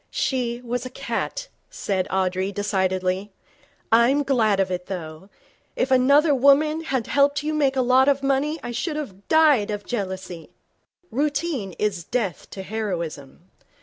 'She was a cat,' said Audrey, decidedly. 'I'm glad of it, though. If another woman had helped you make a lot of money, I should have died of jealousy.' Routine is death to heroism.